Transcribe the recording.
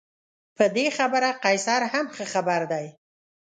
په دې خبره قیصر هم ښه خبر دی.